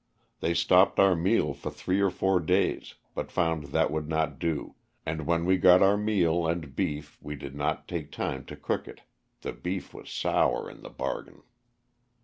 They stopped our meal for three or four days but found that would not do, and when we got our meal and beef we did not take time to cook it, the beef was sour in the bargain.